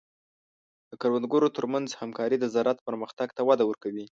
د کروندګرو تر منځ همکاري د زراعت پرمختګ ته وده ورکوي.